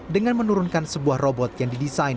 dengan menurunkan sebuah robot yang didesain